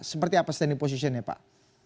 seperti apa standing positionnya pak